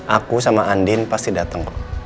aku sama andin pasti datang